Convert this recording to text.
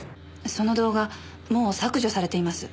その動画もう削除されています。